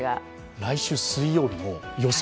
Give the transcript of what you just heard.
来週水曜日の予想